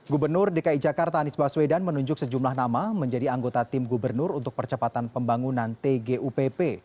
gubernur dki jakarta anies baswedan menunjuk sejumlah nama menjadi anggota tim gubernur untuk percepatan pembangunan tgupp